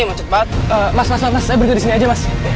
mas mas mas mas saya berada disini aja mas